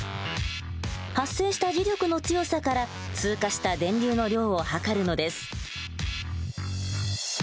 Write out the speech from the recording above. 発生した磁力の強さから通過した電流の量を測るのです。